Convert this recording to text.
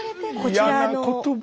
嫌な言葉。